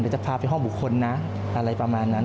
จะพาไปห้องบุคคลนะอะไรประมาณนั้น